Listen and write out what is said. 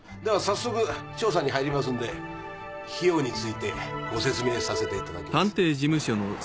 では早速調査に入りますので費用についてご説明させていただきます。